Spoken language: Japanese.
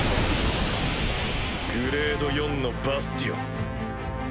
グレード４のバスティオン。